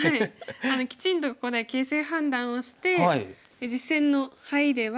きちんとここで形勢判断をして実戦のハイでは。